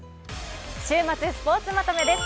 週末スポーツまとめです。